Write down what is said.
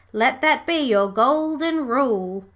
Let that be your golden rule.'